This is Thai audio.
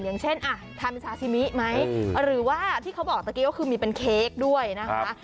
อย่างเช่นทำเป็นซาซิมิไหมหรือว่าที่เขาบอกตะกี้ก็คือมีเป็นเค้กด้วยนะคะ